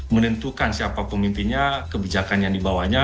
menentukan siapa pemimpinnya kebijakan yang dibawanya